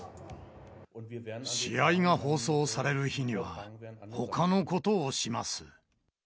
試合が放送される日には、ほかのことをします。